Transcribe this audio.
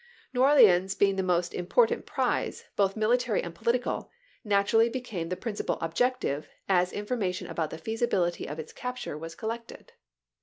New Orleans being the most impor tant prize, both military and political, naturally be came the principal objective as information about the feasibility of its capture was collected.